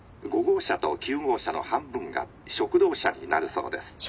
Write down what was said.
５号車と９号車の半分が食堂車になるそうです」。